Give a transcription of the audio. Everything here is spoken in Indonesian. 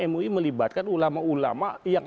mui melibatkan ulama ulama yang